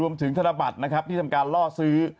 เป็นธนบัตรที่ทำการล่อซื้อ